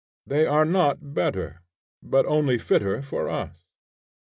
They are not better, but only fitter for us.